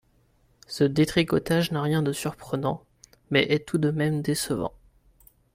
Ce détricotage n’a rien de surprenant, mais est tout de même décevant.